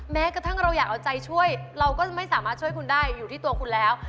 แม้กระทั่งเราอยากเอาใจช่วยเราก็จะไม่สามารถช่วยคุณได้อยู่ที่ตัวคุณแล้ว